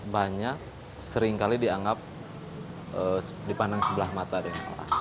banyak seringkali dianggap dipandang sebelah mata dengan orang